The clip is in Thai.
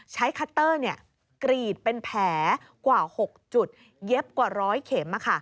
คัตเตอร์กรีดเป็นแผลกว่า๖จุดเย็บกว่า๑๐๐เข็ม